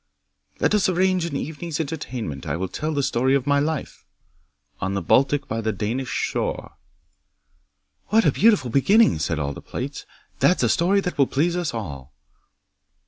'"Let us arrange an evening's entertainment. I will tell the story of my life. '"On the Baltic by the Danish shore " 'What a beautiful beginning!" said all the plates. "That's a story that will please us all."